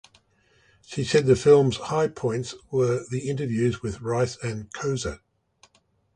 She said the films high points were the interviews with Rice and Cozza.